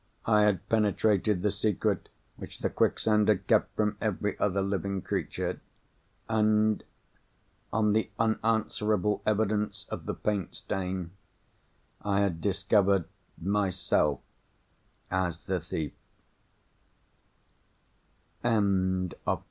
I had penetrated the secret which the quicksand had kept from every other living creature. And, on the unanswerable evidence of the paint stain, I had discovered Myself as the T